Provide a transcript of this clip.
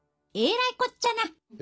えらいこっちゃな。